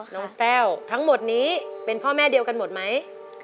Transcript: จะแม่ว่าเป็นพ่อแม่ดีวกันหมดไหม